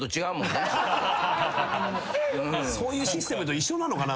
そういうシステムと一緒なのかな？